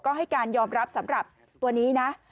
ก็ให้การยอมรับสำหรับตัวนี้นะ